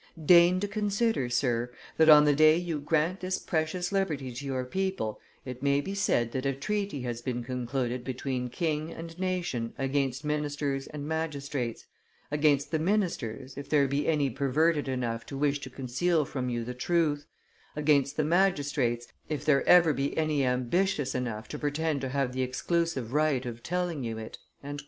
... Deign to consider, Sir, that on the day you grant this precious liberty to your people it may be said that a treaty has been concluded between king and nation against ministers and magistrates: against the ministers, if there be any perverted enough to wish to conceal from you the truth; against the magistrates, if there ever be any ambitious enough to pretend to have the exclusive right of telling you it."